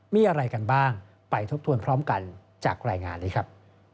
มีอะไรกันบ้างไปทบทวนพร้อมกันจากรายงานนี้ครับ